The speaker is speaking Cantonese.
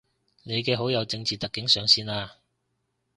你嘅好友正字特警上線喇